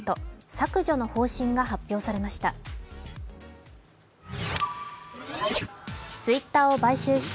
削除の方針が発表されました。